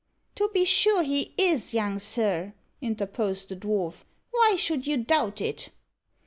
"To be sure he is, young sir," interposed the dwarf. "Why should you doubt it?"